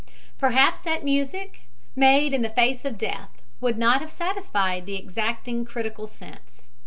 Perhaps that music, made in the face of death, would not have satisfied the exacting critical sense.